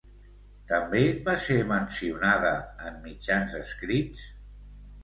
També va ser mencionada en mitjans escrits?